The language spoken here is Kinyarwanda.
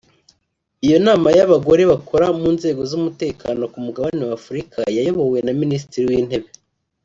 Iyo Nama y’abagore bakora mu nzego z’umutekano ku Mugabane wa Afurika yayobowe na Minisitiri w’Intebe